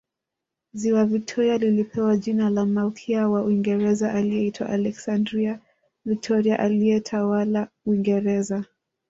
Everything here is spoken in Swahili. Ziwa Victoria lilipewa jina la Malkia wa Uingereza aliyeitwa Alexandrina Victoria aliyetawala Uingereza